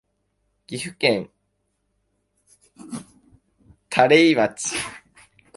岐阜県垂井町